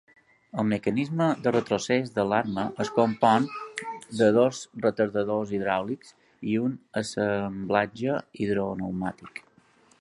El mecanisme de retrocés de l'arma es compon de dos retardadors hidràulics i un assemblatge hidropneumàtic.